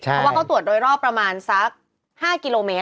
เพราะว่าเขาตรวจโดยรอบประมาณสัก๕กิโลเมตร